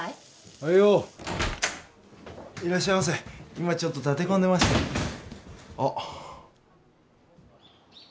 あいよいらっしゃいませ今ちょっと立て込んでましてあッ